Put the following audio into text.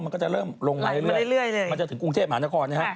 มันก็จะเริ่มลงมาเรื่อยมันจะถึงกรุงเทพฯหลังจากก่อน